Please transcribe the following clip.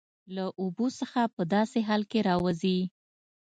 له اوبو څخه په داسې حال کې راوځي